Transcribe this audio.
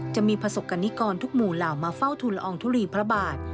จะมีประสบกรณิกรทุกหมู่เหล่ามาเฝ้าทุนละอองทุลีพระบาท